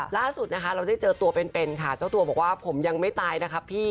ล่าสุดนะคะเราได้เจอตัวเป็นค่ะเจ้าตัวบอกว่าผมยังไม่ตายนะครับพี่